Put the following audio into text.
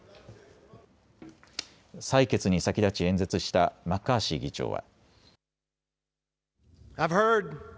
採決に先立ち演説したマッカーシー議長は。